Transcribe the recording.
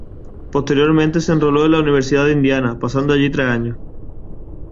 Posteriormente se enroló en la Universidad de Indiana, pasando allí tres años.